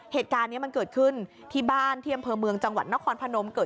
เหตุการณ์นี้มันเกิดขึ้นที่บ้านที่อำเภอเมืองจังหวัดนครพนมเกิด